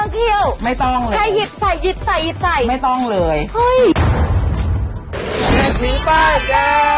ป้ายแดง